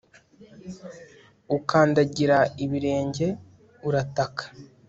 ukandagira ibirenge urataka